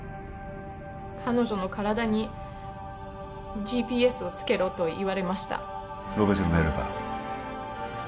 彼女の体にＧＰＳを付けろと言われましたロペスの命令か？